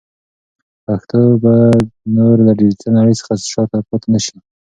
پښتو به نور له ډیجیټل نړۍ څخه شاته پاتې نشي.